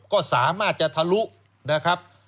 ก็สามารถจะทะลุนะครับ